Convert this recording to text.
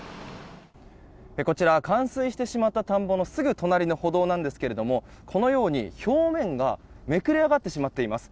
こちら冠水してしまった田んぼのすぐ隣の歩道なんですがこのように表面がめくれ上がってしまっています。